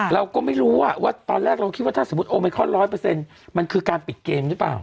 เราก็ไม่รู้ว่าว่าตอนแรกเราคิดว่าถ้าสมมุติโอมิคอนร้อยเปอร์เซ็นต์มันคือการปิดเกมใช่เปล่า